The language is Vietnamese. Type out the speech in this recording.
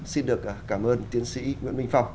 xin được cảm ơn tiến sĩ nguyễn minh phong